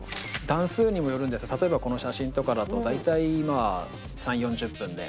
段数にもよるんですが例えばこの写真とかだと大体まあ３０４０分で。